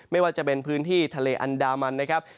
ไม่ว่าจะเป็นพื้นที่ทะเลอันดามันนะครับ